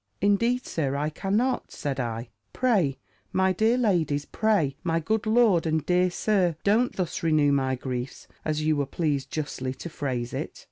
"Indeed, Sir, I cannot," said I; "pray, my dear ladies pray, my good lord and, dear Sir, don't thus renew my griefs, as you were pleased justly to phrase it."